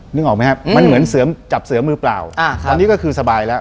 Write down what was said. นึกออกไหมครับมันเหมือนเสือจับเสือมือเปล่าตอนนี้ก็คือสบายแล้ว